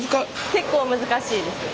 結構難しいです。